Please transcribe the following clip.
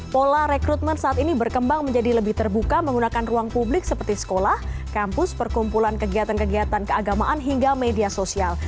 pola rekrutmen saat ini berkembang menjadi lebih terbuka menggunakan ruang publik seperti sekolah kampus perkumpulan kegiatan kegiatan keagamaan hingga media sosial